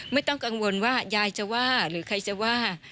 ไม่ต้องกังวลว่ายายจะว่าหรือใครจะว่า